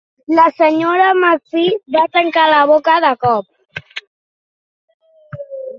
La Sra. Mcfee va tancar la boca de cop.